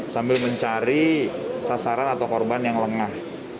sambil mencari sasaran atau korban yang lengah